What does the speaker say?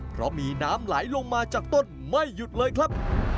เพราะมีน้ำไหลลงมาจากต้นไม่หยุดเลยครับ